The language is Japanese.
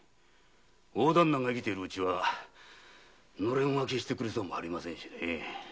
大旦那が生きてるうちは「ノレン分け」してくれそうもありませんしね。